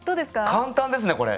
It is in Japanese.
簡単ですねこれ。